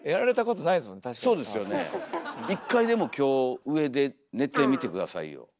一回でも今日上で寝てみて下さいよ。